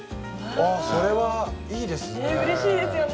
それはいいですね。